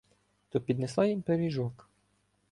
То піднесла їм пиріжок.